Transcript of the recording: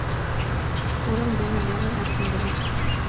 Урем дене веле эртем гынат